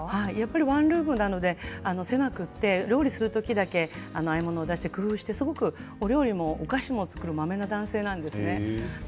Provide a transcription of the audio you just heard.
ワンルームなので狭くて料理する時だけああいうものを出して工夫してすごくお料理も、お菓子も作るまめな男性なんですね。